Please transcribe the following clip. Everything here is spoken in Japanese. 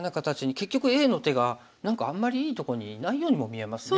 結局Ａの手が何かあんまりいいところにいないようにも見えますね